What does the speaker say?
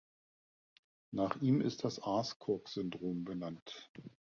Nach ihm ist das Aarskog-Syndrom benannt.